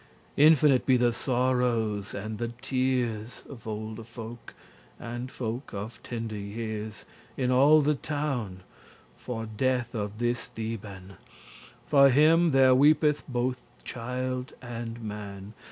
Infinite be the sorrows and the tears Of olde folk, and folk of tender years, In all the town, for death of this Theban: For him there weepeth bothe child and man.